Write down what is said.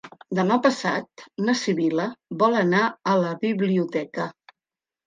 Demà passat na Sibil·la vol anar a la biblioteca.